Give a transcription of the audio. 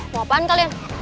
mau apaan kalian